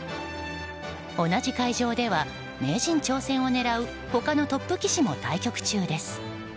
同じ会場では名人挑戦を狙う他のトップ棋士らも対局中です。